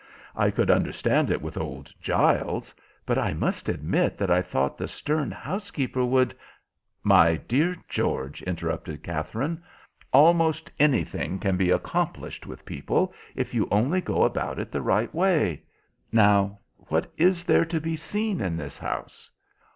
I could understand it with old Giles, but I must admit that I thought the stern housekeeper would—" "My dear George," interrupted Katherine, "almost anything can be accomplished with people, if you only go about it the right way." "Now, what is there to be seen in this house?"